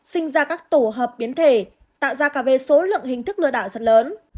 sinh ra các tổ hợp biến thể tạo ra cả về số lượng hình thức lừa đảo rất lớn